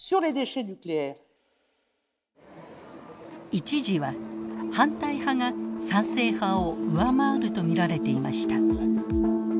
一時は反対派が賛成派を上回ると見られていました。